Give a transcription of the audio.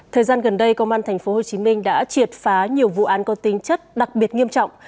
thời gian gần đây công an thành phố hồ chí minh đã triệt phá nhiều vụ án có tính chất đặc biệt nghiêm trọng